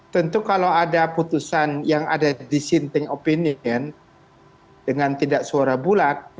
tentu kalau ada putusan yang ada dissenting opinion dengan tidak suara bulat